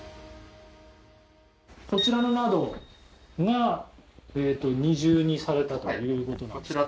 そちらの窓が二重にされたということなんですか。